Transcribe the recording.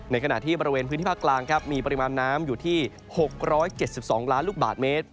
ขณะที่บริเวณพื้นที่ภาคกลางครับมีปริมาณน้ำอยู่ที่๖๗๒ล้านลูกบาทเมตร